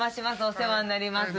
お世話になります。